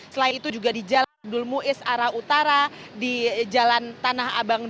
selain itu juga di jalan dulmuiz arah utara di jalan tanah abang